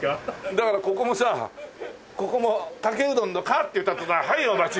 だからここもさここもかけうどんの「か」って言った途端へいお待ち！